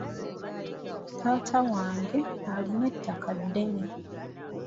Taata wange alina ettaka ddene.